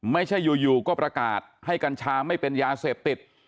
ไม่ใช่อยู่ก็ประกาศให้กัญชาไม่เป็นยาเสพติด